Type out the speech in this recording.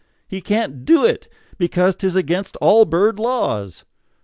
He can't do it, because 'T is against all bird laws.